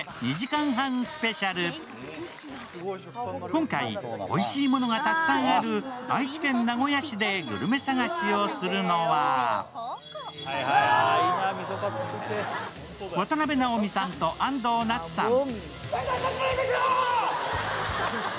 今回、おいしいものがたくさんある愛知県名古屋市でグルメ探しをするのは渡辺直美さんと安藤なつさん。